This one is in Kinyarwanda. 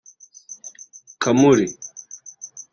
Kamuli